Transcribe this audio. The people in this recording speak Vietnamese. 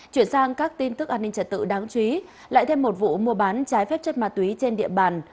chuyển sang các tin tức an ninh trật tự đáng chú ý lại thêm một vụ mua bán trái phép chất ma túy trên địa bàn